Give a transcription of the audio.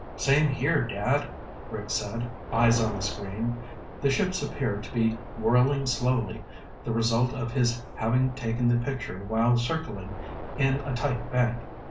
"Same here, Dad," Rick said, eyes on the screen. The ships appeared to be whirling slowly, the result of his having taken the picture while circling in a tight bank.